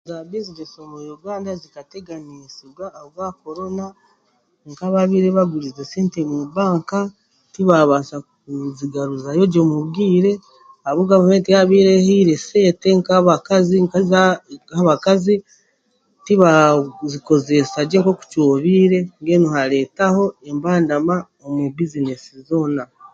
Za Bizineesi omu Uganda zikateganisibwa ahabwa korona nkababaire beegurize sente mu banka tibaabaasa kuzigaruzayo gye mubwire abu gavumenti yaabaire ehiire esente nk'abakazi nk'ez'abakazi tibaazikozeesa gye nk'oku kyobaire mbwenu haareetaho embandama omu bizineesi zoona